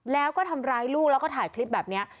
แล้วก็ทำร้ายลูกแล้วก็ถ่ายคลิปแบบนี้